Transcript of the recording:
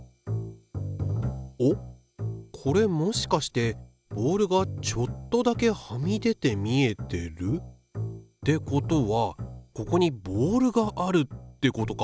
おっこれもしかしてボールがちょっとだけはみ出て見えてる？ってことはここにボールがあるってことか。